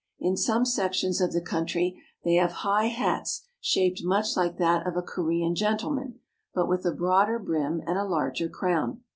In some sections of the country they have high hats shaped much like that of a Korean gentleman, but with a broader brim and a larger crown.